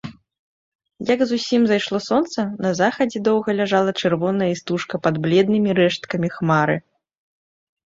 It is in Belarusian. Як зусім зайшло сонца, на захадзе доўга ляжала чырвоная істужка пад бледнымі рэшткамі хмары.